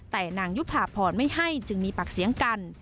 แต่นางยุภาพรไม่ให้จึงมีปากเสียงกัน